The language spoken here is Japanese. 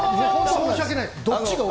申し訳ないです。